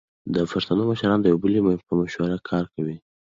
د پښتنو مشران د یو بل په مشوره کار کوي.